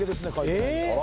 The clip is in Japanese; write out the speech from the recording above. えっ！？